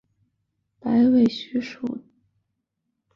白尾鼹属等之数种哺乳动物。